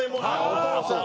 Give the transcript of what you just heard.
お父さんが。